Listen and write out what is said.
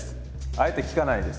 あえて聞かないです。